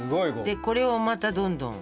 でこれをまたどんどん。